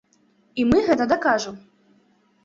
І мы гэта дакажам!